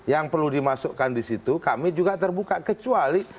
yang perlu dimasukkan di situ kami juga terbuka kecuali